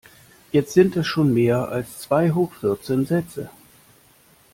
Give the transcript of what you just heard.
Jetzt sind es schon mehr als zwei hoch vierzehn Sätze.